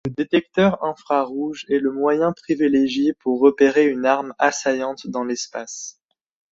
Le détecteur infrarouge est le moyen privilégié pour repérer une arme assaillante dans l'espace.